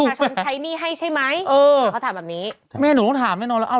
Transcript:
คำถามนี้มาแล้ว